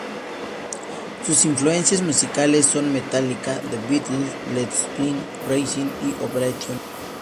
Sus influencias musicales son Metallica, The Beatles, Led Zeppelin, Rancid y Operation Ivy.